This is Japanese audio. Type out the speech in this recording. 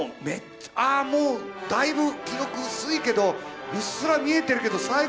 ああもうだいぶ記憶薄いけどうっすら見えてるけど最期